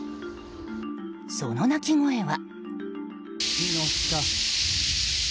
その鳴き声は。